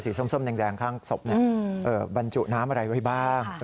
ส้มแดงข้างศพบรรจุน้ำอะไรไว้บ้าง